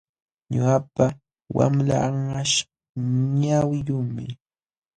Ñuqapa wamlaa anqaśh ñawiyuqmi.